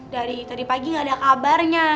dari tadi pagi nggak ada kabarnya